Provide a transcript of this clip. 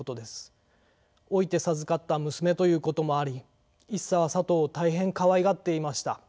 老いて授かった娘ということもあり一茶はさとを大変かわいがっていました。